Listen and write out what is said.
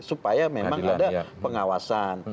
supaya memang ada pengawasan